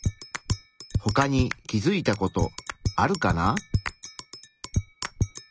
ほかに気づいたことあるかな？